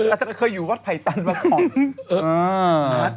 อาจจะเคยอยู่วัดไพร์ตันว่าของ